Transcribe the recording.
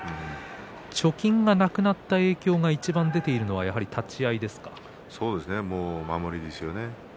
貯金がなくなった影響がいちばん出ているのがそうです、守りですね。